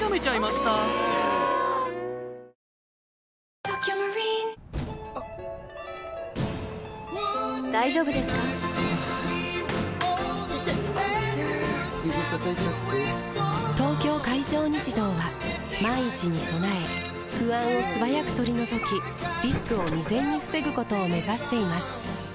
指たたいちゃって・・・「東京海上日動」は万一に備え不安を素早く取り除きリスクを未然に防ぐことを目指しています